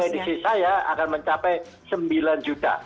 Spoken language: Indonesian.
prediksi saya akan mencapai sembilan juta